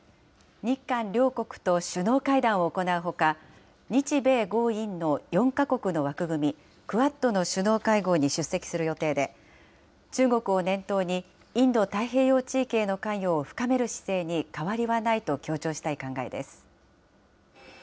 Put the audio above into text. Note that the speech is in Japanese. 日韓両国と首脳会談を行うほか、日米豪印の４か国の枠組み、クアッドの首脳会合に出席する予定で、中国を念頭に、インド太平洋地域への関与を深める姿勢に変わりはないと強調したい考えです。